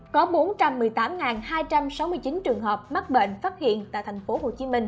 có bốn trăm một mươi tám hai trăm sáu mươi chín trường hợp mắc bệnh phát hiện tại tp hcm